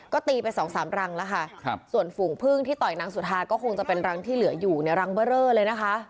ก็ตีไปสองสามรังแล้วค่ะครับส่วนฝูงพึ่งที่ต่อยนางสุธาก็คงจะเป็นรังที่เหลืออยู่เนี่ยรังเบอร์เรอเลยนะคะ